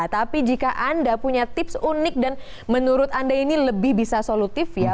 tapi jika anda punya tips unik dan menurut anda ini lebih bisa solutif ya